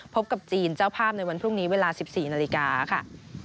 พบกับจีนเจ้าภาพในวันพรุ่งนี้เวลา๑๔นาฬิกาค่ะ